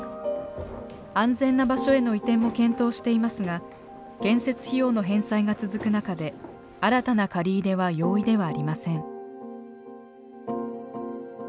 安全な場所への移転も検討していますが建設費用の返済が続く中で新たな借り入れは容易ではありません。